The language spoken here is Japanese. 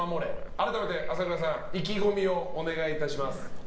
改めて朝倉さん意気込みをお願いいたします。